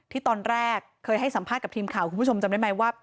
ที่ตอนแรกเคยให้สัมภาษณ์กับทีมข่าวคุณผู้ชมจำได้ไหมว่า